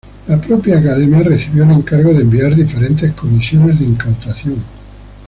La propia Academia recibió el encargo de enviar diferentes comisiones de incautación.